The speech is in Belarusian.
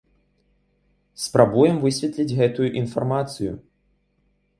Спрабуем высветліць гэтую інфармацыю.